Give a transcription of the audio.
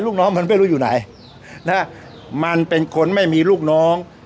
ลูกน้องมันไม่รู้อยู่ไหนนะมันเป็นคนไม่มีลูกน้อง